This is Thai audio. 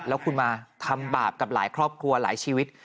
แล้วคุณมาทำบาปกับหลายครอบครัวหลายชีวิต